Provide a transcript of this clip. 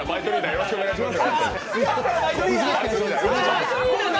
よろしくお願いします。